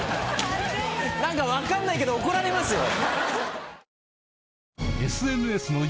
何か分かんないけど怒られますよ！